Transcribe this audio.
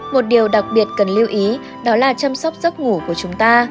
một điều đặc biệt cần lưu ý đó là chăm sóc giấc ngủ của chúng ta